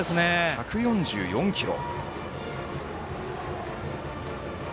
１４４キロ。